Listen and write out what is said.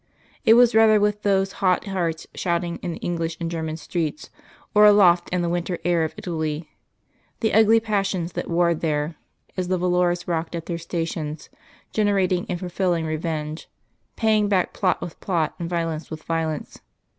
It was rather with those hot hearts shouting in the English and German streets, or aloft in the winter air of Italy, the ugly passions that warred there, as the volors rocked at their stations, generating and fulfilling revenge, paying back plot with plot, and violence with violence.